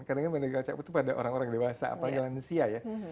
karena medical check up itu pada orang orang dewasa apalagi manusia ya